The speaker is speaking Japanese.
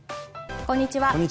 こんにちは。